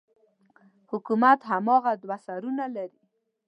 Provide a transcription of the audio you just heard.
حکومت هماغه دوه سرونه لري.